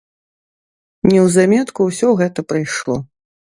Неўзаметку ўсё гэта прыйшло.